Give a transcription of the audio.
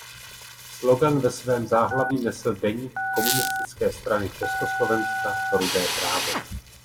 Slogan ve svém záhlaví nesl deník Komunistické strany Československa Rudé právo.